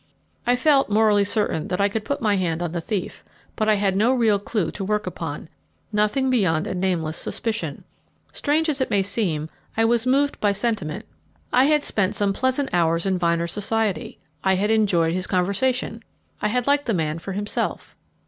I felt morally certain that I could put my hand on the thief, but I had no real clue to work upon nothing beyond a nameless suspicion. Strange as it may seem, I was moved by sentiment. I had spent some pleasant hours in Vyner's society I had enjoyed his conversation; I had liked the man for himself.